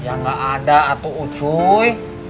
ya gak ada atuh uh cuy